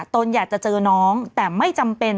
ตนอยากจะเจอน้องแต่ไม่จำเป็น